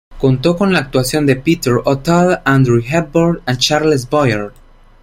Contó con la actuación de Peter O'Toole, Audrey Hepburn y Charles Boyer.